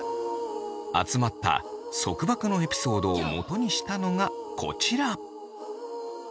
集まった束縛のエピソードをもとにしたのがこちら。